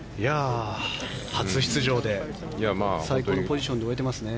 初出場で最高のポジションで終えていますよね。